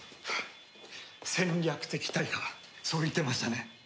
戦略的退化そう言ってましたね。